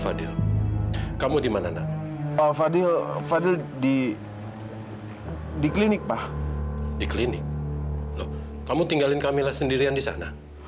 fadil fadil nggak ngerti pak